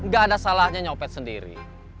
gak ada salahnya nyopet sendiri